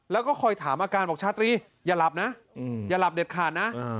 แล้วก็คอยถามอาการบอกชาตรีอย่าหลับนะอย่าหลับเด็ดขาดนะ